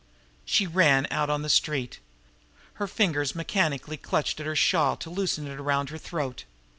She ran out on the street. Her fingers mechanically clutched at her shawl to loosen it around her throat.